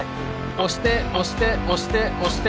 押して押して押して押して。